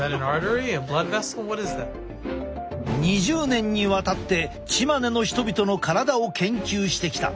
２０年にわたってチマネの人々の体を研究してきた。